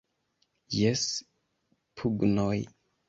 Jes pugnoj!